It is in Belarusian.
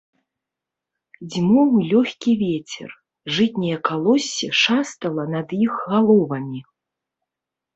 Дзьмуў лёгкі вецер, жытняе калоссе шастала над іх галовамі.